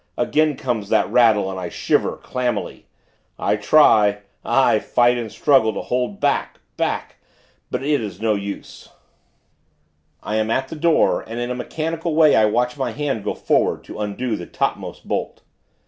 Again comes that rattle, and I shiver, clammily. I try aye, fight and struggle, to hold back, back; but it is no use.... I am at the door, and, in a mechanical way, I watch my hand go forward, to undo the topmost bolt.